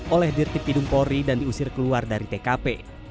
oleh dirtipidum pori dan diusir keluar dari tkp